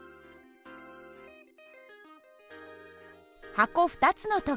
箱２つの時